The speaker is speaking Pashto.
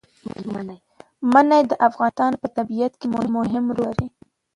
منی د افغانستان په طبیعت کې مهم رول لري.